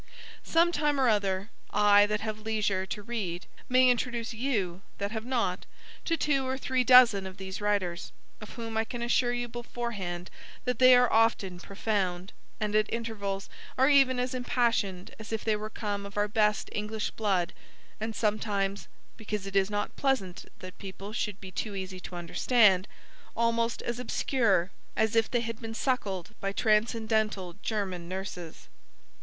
Some time or other, I, that have leisure to read, may introduce you, that have not, to two or three dozen of these writers; of whom I can assure you beforehand that they are often profound, and at intervals are even as impassioned as if they were come of our best English blood, and sometimes (because it is not pleasant that people should be too easy to understand) almost as obscure as if they had been suckled by transcendental German nurses.